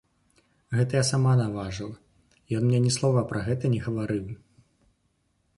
Гэта я сама наважыла, ён мне ні слова пра гэта не гаварыў.